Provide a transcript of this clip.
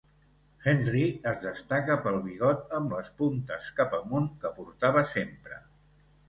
Henry es destacà pel bigot amb les puntes cap amunt que portava sempre.